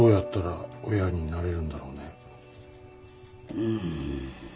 うん。